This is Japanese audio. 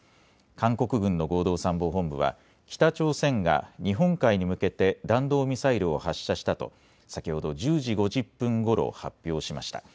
韓国軍の合同参謀本部は北朝鮮が日本海に向けて弾道ミサイルを発射したと先ほど１０時５０分ごろ発表しました。